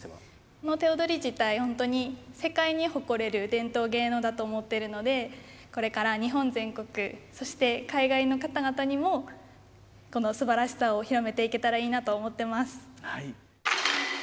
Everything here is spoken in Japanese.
この手踊り自体ホントに世界に誇れる伝統芸能だと思ってるのでこれから日本全国そして海外の方々にもこのすばらしさを広めていけたらいいなと思ってます。